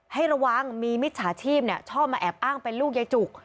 ให้ระวังมีมิจฉาชีพชอบมาแอบอ้างเป็นลูกยายจุก